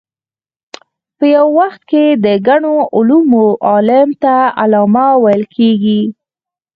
په یو وخت کې د ګڼو علومو عالم ته علامه ویل کېږي.